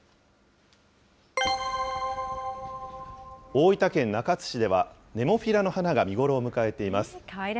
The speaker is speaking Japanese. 大分県中津市では、ネモフィラの花が見頃を迎えています。